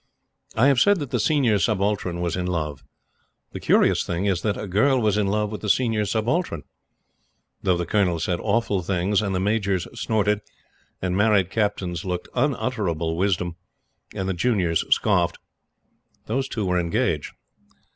I have said that the Senior Subaltern was in love. The curious thing is that a girl was in love with the Senior Subaltern. Though the Colonel said awful things, and the Majors snorted, and married Captains looked unutterable wisdom, and the juniors scoffed, those two were engaged.